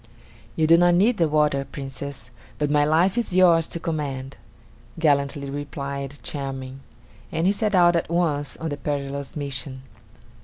"You do not need the water, Princess; but my life is yours to command," gallantly replied Charming; and he set out at once on the perilous mission.